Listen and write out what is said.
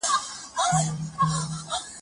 چې هرسهار به پاڅېدله زما له کیڼې پُښتۍ